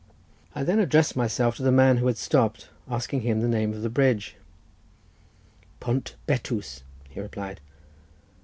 I then addressed myself to the man, who had stopped, asking him the name of the bridge. "Pont Bettws," he replied.